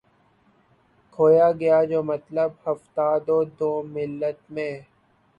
کھویا گیا جو مطلب ہفتاد و دو ملت میں